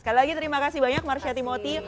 sekali lagi terima kasih banyak marsha timoti